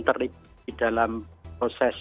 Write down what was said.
terlibat di dalam proses